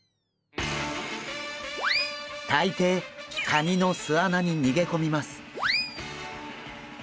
大抵カニの巣穴に逃げ込みます。